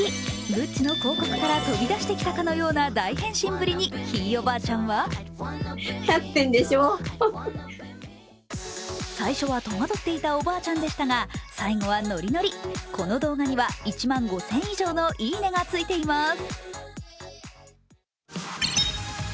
グッチの広告から飛び出してきたかのような大変身ぶりに、ひいおばあちゃんは最初は戸惑っていたおばあちゃんでしたが最後はノリノリ、この動画には１万５０００以上のいいねがついています。